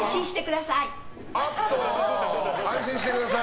安心してください。